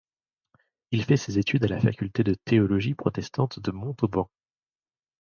Il fait ses études à la faculté de théologie protestante de Montauban.